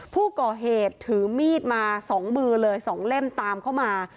ผู้ก่อเหตุถือมีดมา๒มือเลย๒เล่มตามเข้ามา